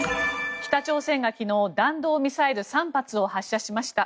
北朝鮮が昨日弾道ミサイル３発を発射しました。